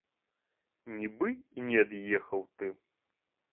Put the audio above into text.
Нібы і не ад'ехаў ты.